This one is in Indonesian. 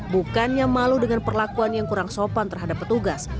bukannya malu dengan perlakuan yang kurang sopan terhadap petugas